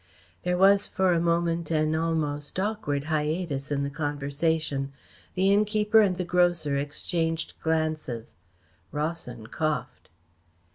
There was for a moment an almost awkward hiatus in the conversation. The innkeeper and the grocer exchanged glances. Rawson coughed.